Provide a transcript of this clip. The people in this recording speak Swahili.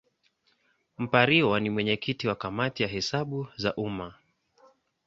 Mpariwa ni mwenyekiti wa Kamati ya Hesabu za Umma.